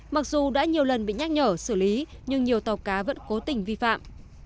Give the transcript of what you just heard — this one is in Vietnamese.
mặc dù đã nhiều lần bị nhắc nhở xử lý nhưng nhiều tàu cá vẫn cố tình vi phạm